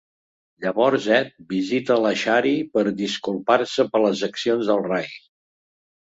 Llavors Ed visita la Shari per disculpar-se per les accions del Ray.